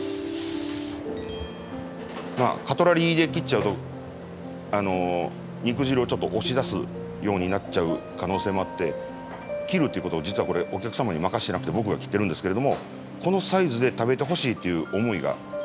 まあカトラリーで切っちゃうと肉汁をちょっと押し出すようになっちゃう可能性もあって切るっていうことを実はこれお客様に任せてなくて僕が切ってるんですけれどもこのサイズで食べてほしいっていう思いがあります。